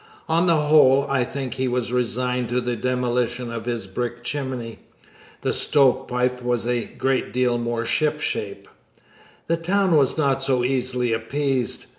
On the whole, I think he was resigned to the demolition of his brick chimney. The stove pipe was a great deal more shipshape. The town was not so easily appeased.